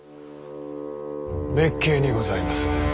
滅敬にございます。